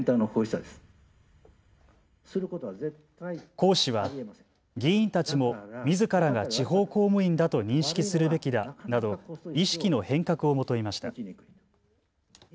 講師は議員たちもみずからが地方公務員だと認識するべきだなど意識の変革を求めました。